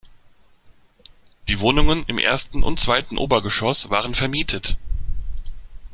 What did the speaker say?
Die Wohnungen im ersten und zweiten Obergeschoss waren vermietet.